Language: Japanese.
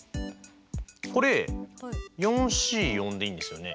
これＣでいいんですよね？